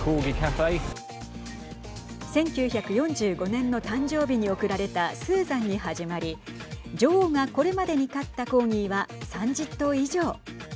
１９４５年の誕生日に贈られたスーザンに始まり女王がこれまでに飼ったコーギーは３０頭以上。